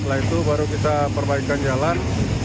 setelah itu baru kita perbaikan jalan